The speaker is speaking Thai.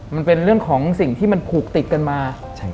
มันเป็นเรื่องของสิ่งที่มันผูกติดกันมา